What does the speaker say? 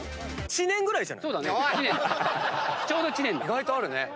意外とあるね。